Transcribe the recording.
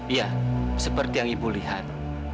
iya seperti yang ibu lihat